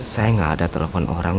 saya nggak ada telepon orang